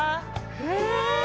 へえ！